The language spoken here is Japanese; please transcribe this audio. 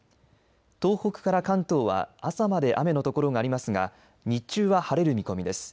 東北から関東は朝まで雨のところがありますが日中は晴れる見込みです。